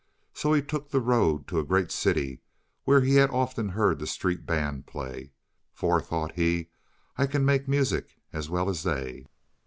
So he took the road to a great city where he had often heard the street band play. "For," thought he, "I can make music as well as they."